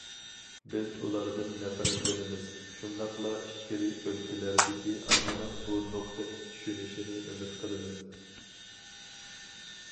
بىز ئۇلاردىن نەپرەتلىنىمىز، شۇنداقلا ئىچكىرى ئۆلكىلەردىكى ئاممىنىڭ بۇ نۇقتىنى چۈشىنىشىنى ئۈمىد قىلىمىز.